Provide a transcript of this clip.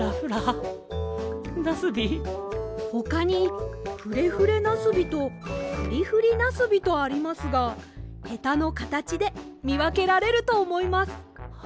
ほかに「フレフレなすび」と「フリフリなすび」とありますがヘタのかたちでみわけられるとおもいます。